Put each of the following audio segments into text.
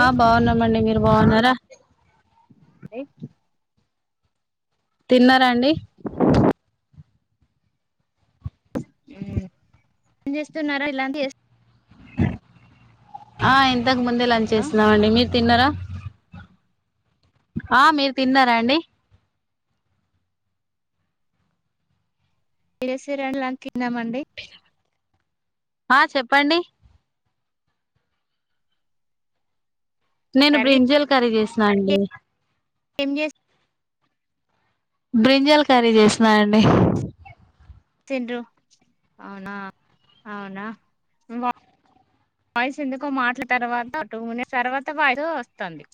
ఏ ఆ బాగున్నామండి మీరు బాగున్నారా ఏ తిన్నారా అండి ఉ ఏం చేస్తున్నారా ఇలాంటి ఏస్ ఆ ఇన్ ఇంతకు ముందే లంచ్ హలో చేసినము అండి మీరు తిన్నారా ఆ మీరు తిన్నారా అండి ఏసి రన్ లంక్ కిన్నామండి ఆ చెప్పండి నేను కర్రీ బ్రింజల్ కర్రీ చేస్ అండి ఎం జెస్ బ్రింజాల్ కర్రీ చేసినా అండి తిండ్రు అవునా అవునా వా వాయిసు ఎందుకో మాటల తర్వాత టు మినిట్స్ తర్వాత వాయిదో వస్తాంది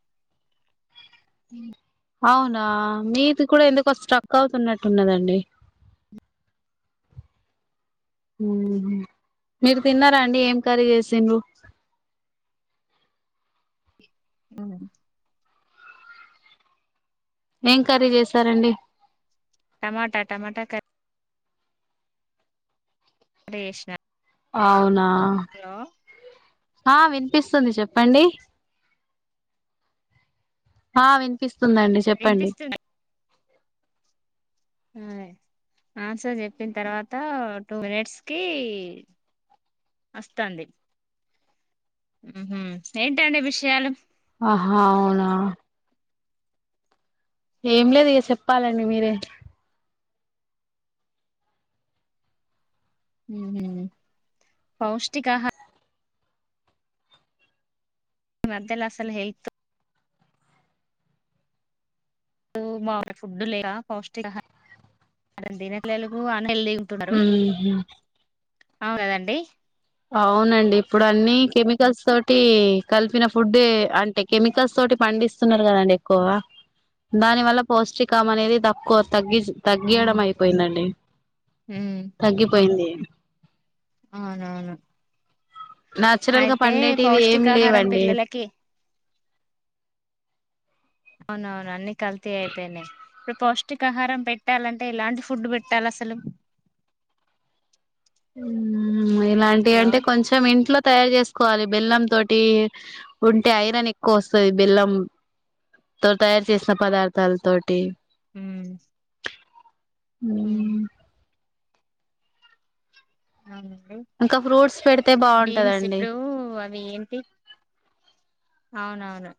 అవునా మీది కూడా ఎందుకో స్ట్రక్ అవుతున్నట్టు ఉన్నదండి మీరు తిన్నారా అండి ఏం కర్రీ చేసిరు అ ఏం కర్రీ చేసరండి టమాటా టమాటా కర్రీ టేష్ణ అవును ఆ ఆ వి ఇప్పిస్తుంది చెప్పండి హా వినుపీస్ వతుందండి చెప్పండి వినిపిస్తుంది అరే ఆన్సర్ చెప్పిన తర్వాత టూ మినిట్స్ కి వస్తాంది ఉ హు ఏంటండి విషయాలు ఆహా అవునా ఏం లేదు ఇగ చెప్పాలండి మీరే ఉ హు పౌష్టికాహ ఇ మద్యలా అసలు హెల్త్ నుమ ఫుడ్ లేక పౌష్టికాహా దాని దినటేలుగు ఉహు అవును అది అండి అవునండి ఇప్పుడు అన్ని కెమికల్స్ తోటి కలిపిన ఫుడే అంటే కెమికల్స్ తోటి పండిస్తున్నారు గదండి ఎక్కువగా దాని వల్ల పౌష్టికం అనేది తక్కువ తగ్గిస్ ఉమ్ తగ్గియడం అయిపోయిందండి ఉమ్ తగ్గిపోయింది అవునవును నాచురల్ గా అయితే పండేటివి ఏం పౌష్టికాహారం లేవండి పిల్లలకి అవునవును అన్ని కల్తీ అయిపోయినాయి పౌష్టికాహారం పెట్టాలంటే ఎలాంటి ఫుడ్ పెట్టాలి అసలు ఉహమ్ అమ్మ ఇలాంటివి హలో అంటే కొంచెం ఇంట్లో తయారు చేసుకోవాలి బెల్లం తోటి ఉంటే ఐరన్ ఎక్కువ వస్తుంది బెల్లం తో తయారు చేసిన పదార్థ తల్ తోటి ఊ ఉ మ్మ్, అవును ఇంకా ఫ్రూట్స్ పెడితే బీన్స్ బాగుంటదండి ఇప్పుడు అవి ఏంటి అవునవును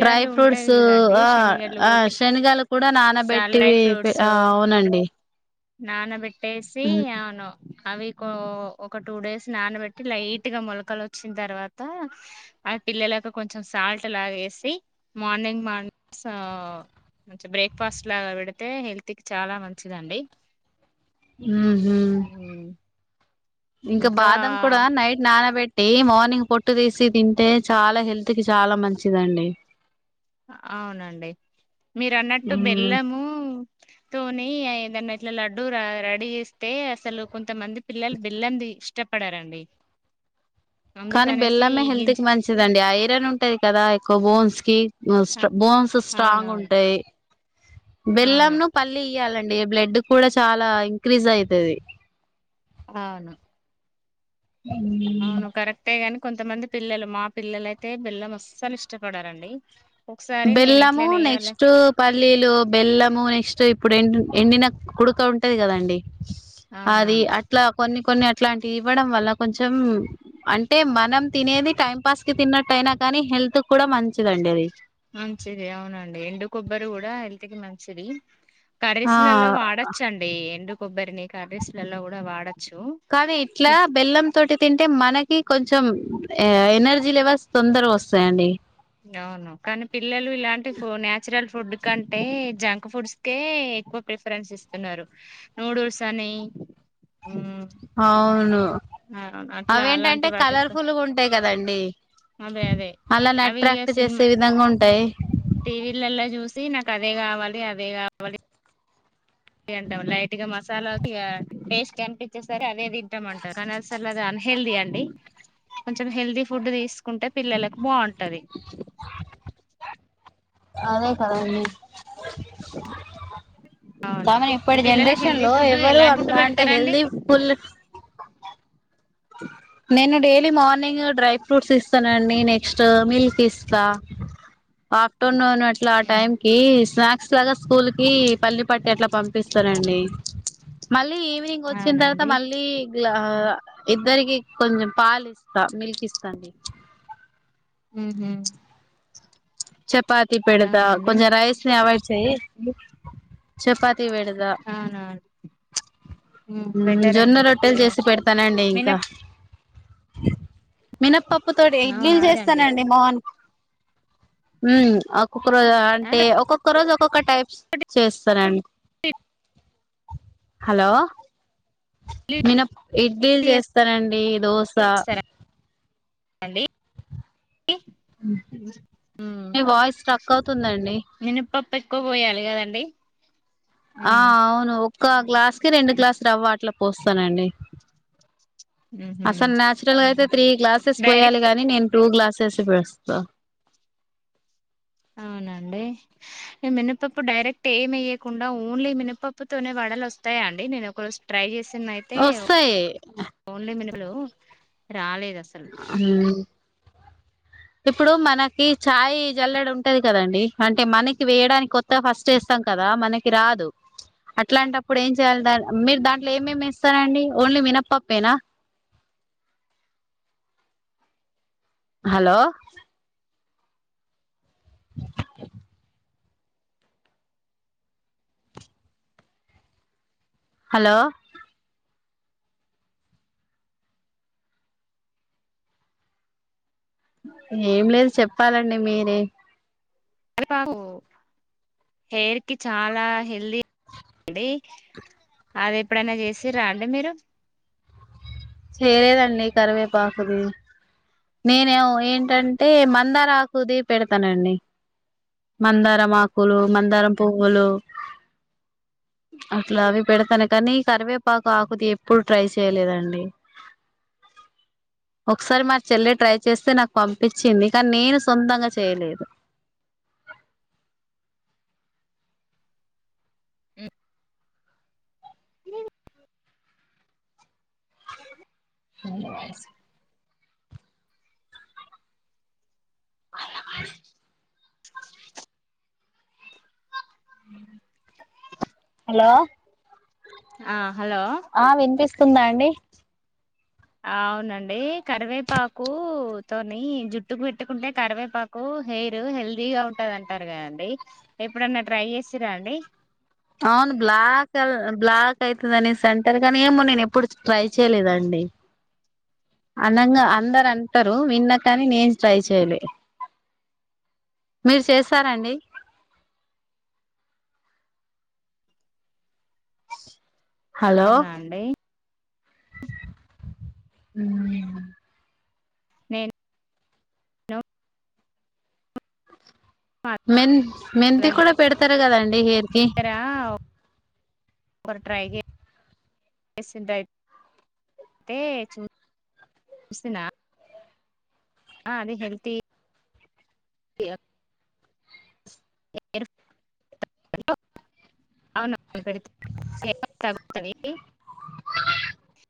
డ్రై ఉంటాయి ఫ్రూట్స్ చూడండి ఆ శనిగలు ఆ శనిగాల కూడా సాల్ నానబెట్టి ఆ అవునండి నానా బెట్ వేసి అవును అవి ఒక టూ డేస్ నానబెట్టి లైట్ గా మొలకలు వచ్చిన తర్వాత అవి పిల్లలకు కొంచెం సాల్ట్ లాగేసి మార్నింగ్ మా బ్రేక్ ఫాస్ట్ లాగా పెడితే హెల్త్ కి చాలా మంచిదండి ఉ హూ ఉమ్, ఇంకా బాదం కూడా నైట్ నానబెట్ డే మార్నింగ్ పొట్టు తీసి తిం అంటే చాలా హెల్త్ కి చాలా మంచిదండి అవునండి మీరు అన్నట్టు ఉమ్ బెల్లము తోని ఏదన్నా ఇట్లా లడ్డూ రెడీ చేస్తే అసలు కొంతమంది పిల్లలు బెల్లం ఇష్టపడరండి కానీ బెల్లమే హెల్త్ కి మంచిదండి ఐరన్ ఉంటది కదా ఎక్కువ బోన్స్ ఇ బోన్స్ స్ట్రాంగ్ అవునవును ఉంటాయి బెల్లం అవును ను పల్లి ఇయ్యాలండి అండి బ్లడ్ కూడా చాలా ఇంక్రీజ్ అయితది అవును ఉమ్ అవును కరెక్టే గని కొంతమంది పిల్లలు మా పిల్లలయితే బెల్లం అసలు ఇష్టపడరండి ఒకసారి నేను బెల్లము ఇట్లనే వాళ్ళ నెక్స్ట్ పల్లీలు బెలము నెక్స్ట్ ఇప్పుడు ఎ ఎండిన కుడుక ఉంటది కదాండి అది అవునవును అట్లా కొన్ని కొన్ని అట్లాంటివి ఇవ్వడం వల్ల కొంచెం అంటే మనం తినేది టైం పాస్ కి తిన్నట్టయినా కానీ హెల్త్ కు కూడా మంచిదండి అది మంచిది అవునండి ఎండు కొబ్బరు కూడా హెల్త్ కి మంచిది ఆ కర్రీస్ లల్లో వాడొచ్చండి ఎండు కొబ్బరిని కర్రీస్ లల్లో కూడా వాడ కానీ ఇట్లా బెల్లం తోటి తింటే మన కి కొంచెం ఎ ఎనర్జీ లెవెల్స్ తొందరగొస్సాయండి కానీ పిల్లలు ఇలాంటి ఫోన్ నేచురల్ ఫుడ్ కంటే, జంక్ ఫుడ్ కె ఎక్కువ ప్రిఫరెన్స్ ఇస్తున్నారు. నూడుల్స్ అని మ్ అవును అట్లా అలాంటి అవేంటంటే కలర్ వాటికి ఫుల్లుగుంటాయ్ కదండి అదే అదే ఆల్లను అవి ఇగ అట్రాక్ట్ సినిమా చేసే విధంగా ఉంటాయ్. నాక్ అదే కావాలి అదే కావాలి ఇగ అంటాం లైట్ గా మసాలాకి ఇగ టేస్ట్ అనిపించే సరే అదే తింటామంటార్ కానీ అసలు అన్ హెల్ది అండి కొంచెం హెల్దీ ఫుడ్ తీసుకుంటే పిల్లలకు బాగుంటది. అదే కదండీ కా అవును మనీ మీ ఇప్పటి పిల్లలకు జనరేషన్ హెల్దీ లో ఫుడ్ ఎవరు ఎలాంటి ఫుడ్ అంతా అంటే పెడతారండి హెల్దీ ఫుల్ నేను డైలీ మార్నింగ్ డ్రై ఫ్రూట్స్ ఇస్తానండి, నెక్స్ట్ మిల్క్ ఇస్తా ఆఫ్టర్నూన్. అట్లా ఆ టైం కి విస్రాం చాలా స్కూల్ కి పల్లి పట్టి అట్లా పంపిస్తారండి మళ్ ళీ ఈవినింగ్ వచ్చిన తర్వాత అవునండి మళ్ళీ గ్లా ఇద్దరికి కొంచెం పాలు ఇస్తా మిల్క్ ఇస్తాండి ఉ హుం చపాతి పెడతా కొంచెం రైస్ నీ అవాయిడ్ చే చపాతి టీ పెడుతా అవునవును ఉమ్, బెటర్ అండి జొన్న రొట్టెలు మంచిగా చేసి పెడతానండి ఇంకా మినప్ మినప్పప్పు త తో అవును ఇడ్లీలు అదండి చేస్తానండి మోన్ హ ఒక్క రోజు ఆ, అంటే ఒక్కొక్క రోజు ఒ ఒక టైప్స్ చేస్తానండి హలో ఇడ్లీ మినప్ ఇడ్లీలు చేస్తానండి దోస్ స చేస్తారా అండి ఏ మీ వాయిస్ స్ట్రిక్ట్ అవుతుందండి మినపప్పు ఎక్కువ పోయాలి కదండి ఆ ఉమ్, అవును కా గ్లాస్ రెండు గ్లాస్ రవ్వవాటలా పోస్తానండి ఉహు. అసలు నాచురల్ గా అయితే త్రీ గ్లాసెస్ పోయాలి డైరెక్ట్ గాని నేను టూ గ్లాస తెస వస్త అవునండి మినపప్పు డైరెక్ట్ ఏమియ్యకుండా ఓన్లీ మినపప్పు తోనే వడలు వస్తాయా అండి నేను ఒకరోజు ట్రై చేసి వస్తాయి హలో రాలేదు అసలు మ్మ్ ఇప్పుడు మనకి ఛాయ్ జల్లడి ఉంటది కదండి అంటే మనకి వేయడానికి కొత్త ఫస్ట్ వేస్తాం కదా మనకి రాదు అట్లాంటప్పుడు ఏం చేయాలి దా మీరు దాంట్లో ఏమేమి వేస్తరండి ఓన్లీ మినప్పప్పేనా హలో ఆ హలో ఏం లేదు చెప్పాలండి మీరే హెయిర్ కి చాలా ల్తీ అ అది ఎప్పుడైనా చేసి రండి మీరు చేయలేదండి కరివేపాకుది నేను ఏంటంటే మందారం ఆకుది పెడతానండి మందారం ఆకులు మందారం పువ్వులు అట్లా అవి పెడతాను కానీ ఈ కరివేపాకు ఆకుది ఎప్పుడు ట్రై చేయలేదండి ఒకసారి మరి చెల్లి ట్రై చేస్తే నాకు పంపించింది కానీ నేను సొంతంగా చేయలేదు ఆ ఇ ధన్వా ఆ హలో ఆ హలో ఆ వినిపిస్తుందా అండి అవునండి కరివేపాకుతోని జుట్టుకు పెట్టుకుంటే కరివేపాకు హెయిర్ హెల్తీగా ఉంటుంది అంటారు కదండి ఎప్పుడన్నా ట్రై చేసిరా అండి అవును బ్లాక్ బ్లాక్ అయితదనేసి అంటారు కానీ ఏమో నేను ఎప్పుడు ట్రై చేయలేదండి అనంగా అందరు అంటారు విన్నాకని నేను ట్రై చేయలే మీరు చేస్తారండి అవునా అండి మ్మ్ హలో మెంత మెంతి కూడా పెడతారు కదాండి ఎ కా [unintelligible] ఒకరు ట్రై చేసిరైతే చూసినా ఆహ్ అది హెల్తీ కి అవును ఆ [unintelligible] వీటికి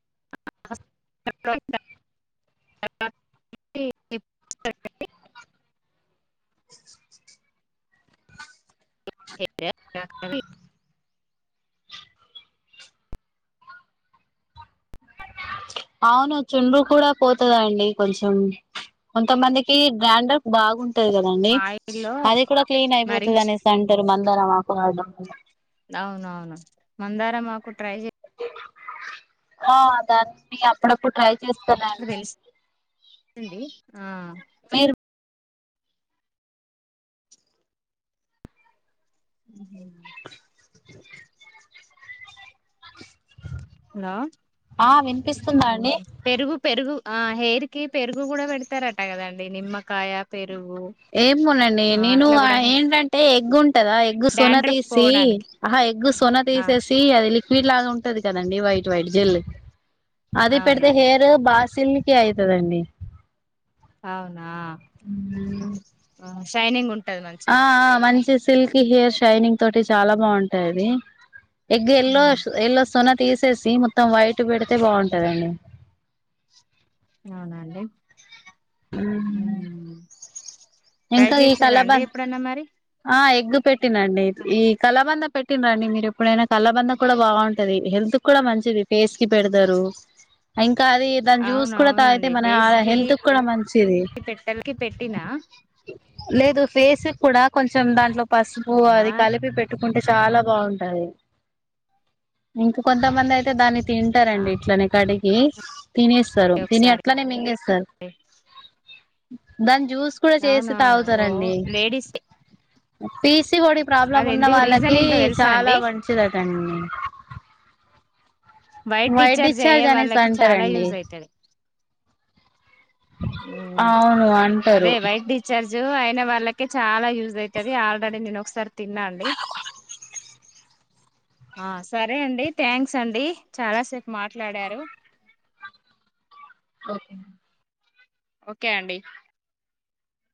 [unintelligible] స [unintelligible] అవును చుండ్రు కూడా పోతదా అండి. కొంచెం కొంతమందికి గ్రాండర్ బాగుంట్ టాదీ కాదండి. ఆయిల్లో అది కూడా క్లీన్ అయిపోతది మరించి అనేసి అంటారు. మ మందర మాకు వాడం అవునవును మందారం మాకు ట్రై చే అ దాని అప్పుడప్పుడ్ ట్రైయి చేస్తున్న అండి అండి ఆహ్ మీరు ఉహ్ హు హలో ఆ వినిపిస్తుందా ఉహ్ అండి ఉహ్ పెరుగు పెరుగు ఆ హేరికి పెరుగు కూడా పెడతారట కదండి. నిమ్మకాయ, పెరుగు ఏమోనండి ఆ నేను అట్లా కూడా ఏంటంటే ఎగ్గు ఉంటదా. ఎగ్గు సొన డాండ్రఫ్ తీసి పోవడానికి ఆహా ఎగ్గు సొన ఆ తీసేసి అది. లిక్ ట్లాగా ఉంటది. కదండి వైట్ వైట్ జల్ అది అవును పేడుతే హెయిర్ బాసిల్ కి అయితదండి అవునా ఆహ్ శైనింగ్ ఉంట్ ఆహ్ ఆ మంచి స్ తిల్కీ హెయిర్, షైనింగ్ తోటి చాలా బాగుంటాది. ఎగ్ ఎల్లో, ఉమ్, సో ఎల్లో సోన తీసేసి మొత్తం వైట్ పెడితే బాగుంటదండి. అవునానండి ఉహ్ ట్రై ఇంకా ఈ చేసారా అండి కలబంద ఎప్పుడన్నా మరి ఆ ఎగ్ పెట్ టినండి ఈ కలాబంద పెట్టిన్ర అండి మీరు ఎప్పుడైనా కల్లబంద కూడా బాగుంటది. హెల్త్ కూడా మంచిది ఫేస్ కి పెడతారు. ఇం కాది దాని జ్యూస్ అవును కూడా తాగితే అవునండి మన ఆ ఫేస్ కి హెల్త్ కూడా మంచిది. పెట్టలకి పెట్టినా లేదు ఫేసు కూడా కొంచెం దాంట్లో పసుపు నా అది కలిపి పెట్టుకుంటే చాలా బాగుంటది ఇంక కొంతమంది అయితే దాని ఆ తింటారండి ఇట్లనే కడిగి ఎస్ తినేస్తారు తిని ఒకసారి అట్లనే మింగేస్తారు దన్ జ్యూస్ కూడా చేసి అవునవును ఓ తాగుతారండి లేడీస్ పీస్ ఓడి ప్రాబ్లం అది ఉన్న ఎందుకు రీజన్ వాళ్ళకి ఏంటో తెలుసా చాలా అండి మంచిది అదండి వైట్ డిశ్చార్జ్ అయ్యే వాళ్ళకి చాలా యూజ్ అయితది ఉమ్ అవును అదే అంటారు వైట్ డిశ్చార్జ్ జ్ అయిన వాళ్ళకె చాలా యూస్ అయితది ఆల్రెడీ నేను ఒకసారి తిన్నాండి ఆ సరే అండి థాంక్స్ అండి చాలా సేప్ మాట్లాడారు ఓకే అండి ఓకే అండి